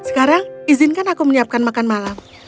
sekarang izinkan aku menyiapkan makan malam